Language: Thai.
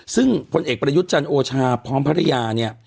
ซึ่งผลเอกประยุทธ์จันทร์โอชาพร้อมภรรยาเนี่ย